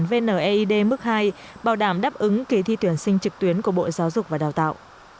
công an quận vneid mức hai bảo đảm đáp ứng kỳ thi tuyển sinh trực tuyến của bộ giáo dục và đào tạo